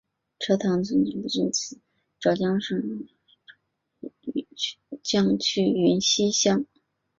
车塘村吴氏宗祠位于浙江省衢州市衢江区云溪乡。